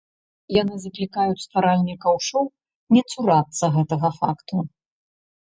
Яны заклікаюць стваральнікаў шоў не цурацца гэтага факту.